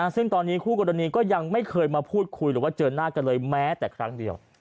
ซึ่งตอนนี้คู่กรณีก็ยังไม่เคยมาพูดคุยหรือว่าเจอหน้ากันเลยแม้แต่ครั้งเดียว